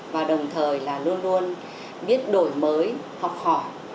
và đồng thời là luôn luôn biết đổi mới học hỏi